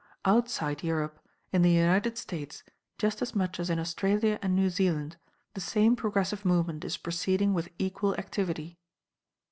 Outside Europe, in the United States just as much as in Australia and New Zealand, the same progressive movement is proceeding with equal activity."